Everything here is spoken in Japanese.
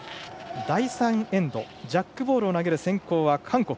第３エンド、ジャックボールを投げる先攻は韓国。